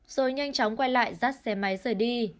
rồi nhanh chóng quay lại dắt xe máy rời đi